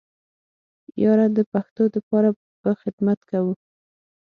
ياره د پښتو د پاره به خدمت کوو.